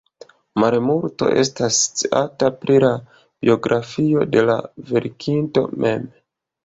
Malmulto estas sciata pri la biografio de la verkinto mem.